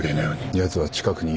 やつは近くにいるぞ。